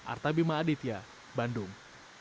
artabima aditya bandung